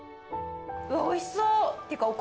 うわおいしそう。